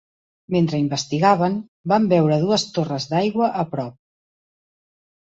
Mentre investigaven, van veure dues torres d'aigua a prop.